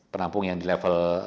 penampung yang di level